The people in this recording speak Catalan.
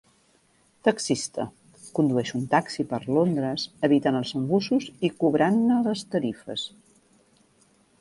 "Taxista" - Condueix un taxi per Londres, evitant els embussos i cobrant-ne les tarifes.